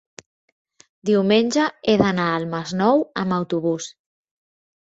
diumenge he d'anar al Masnou amb autobús.